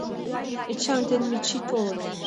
Эчан ден Мичий толыт.